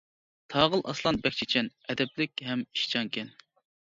تاغىل ئاسلان بەك چېچەن، ئەدەپلىك ھەم ئىشچانكەن.